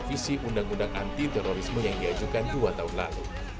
dan menyelesaikan revisi undang undang anti terorisme yang diajukan dua tahun lalu